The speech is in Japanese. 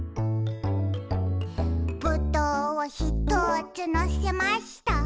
「ぶどうをひとつのせました」